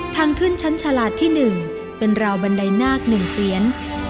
ทางขึ้นชั้นฉลาดที่๑เป็นราวบันไดนาค๑เสียน